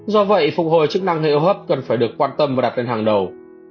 do vậy phục hồi chức năng hệ ô hấp cần phải được quan tâm và đặt lên hàng đầu